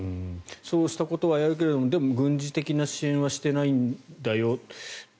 そうしたことはやるけれどでも軍事的な支援はしていないんだよ。